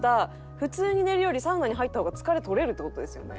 普通に寝るよりサウナに入った方が疲れ取れるって事ですよね？